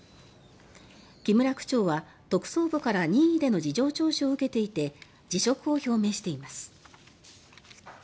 木村区長は特捜部から任意での事情聴取を受けていて辞職を表明しています。